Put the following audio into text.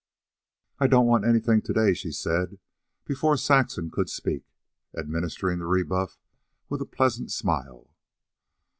"I don't want anything to day," she said, before Saxon could speak, administering the rebuff with a pleasant smile.